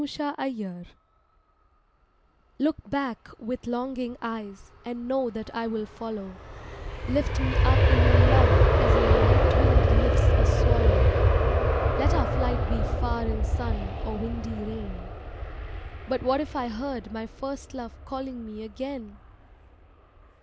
THE FLIGHT LOOK back with longing eyes and know that I will follow, Lift me up in your love as a light wind lifts a swallow, Let our flight be far in sun or windy rain BUT WHAT IF I HEARD MY FIRST LOVE CALLING ME AGAIN?